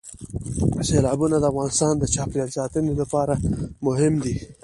سیلابونه د افغانستان د چاپیریال ساتنې لپاره مهم دي.